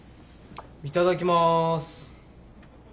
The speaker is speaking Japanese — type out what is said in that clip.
いただきます。